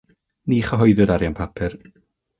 Ni chyhoeddwyd arian papur.